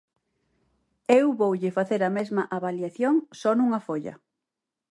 Eu voulle facer a mesma avaliación só nunha folla.